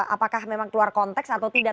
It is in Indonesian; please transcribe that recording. apakah memang keluar konteks atau tidak